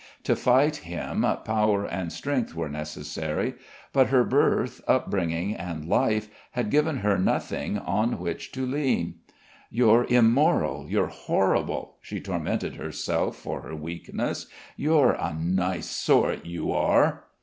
To fight him power and strength were necessary, but her birth, up bringing and life had given her nothing on which to lean. "You're immoral, you're horrible," she tormented herself for her weakness. "You're a nice sort, you are!"